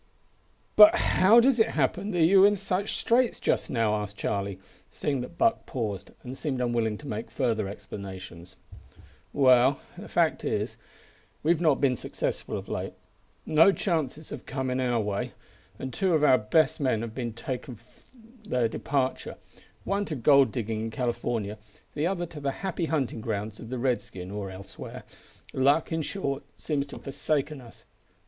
"But how does it happen that you are in such straits just now?" asked Charlie, seeing that Buck paused, and seemed unwilling to make further explanations. "Well, the fact is, we have not been successful of late; no chances have come in our way, and two of our best men have taken their departure one to gold digging in California, the other to the happy hunting grounds of the Redskin, or elsewhere. Luck, in short, seems to have forsaken us.